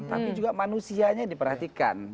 tapi juga manusianya diperhatikan